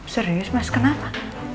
serius mas kenapa